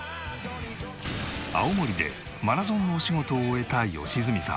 青森でマラソンのお仕事を終えた良純さん。